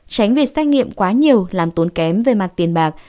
tránh việc xét nghiệm quá nhiều làm tốn kém về mặt tiền bạc